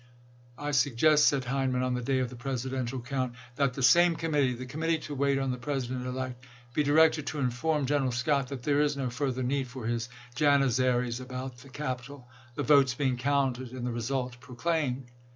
" I suggest," said Hindman, on the day of the Presidential count, "that the same committee [the committee to wait on the President elect] be directed to inform Gen eral Scott that there is no further need for his jani zaries about the Capitol, the votes being counted and the result proclaimed."